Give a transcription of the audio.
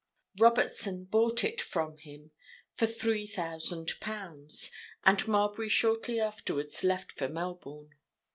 Robertson bought it from him for three thousand pounds, and Marbury shortly afterwards left for Melbourne.